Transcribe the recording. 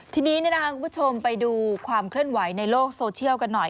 ทีนี้คุณผู้ชมไปดูความเคลื่อนไหวในโลกโซเชียลกันหน่อย